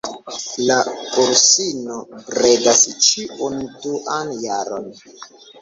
La ursino bredas ĉiun duan jaron.